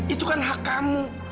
itu kan hak kamu